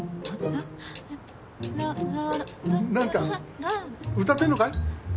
何か歌ってんのかい？